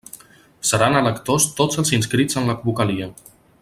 Seran electors tots els inscrits en la vocalia.